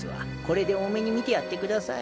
これで大目に見てやってください。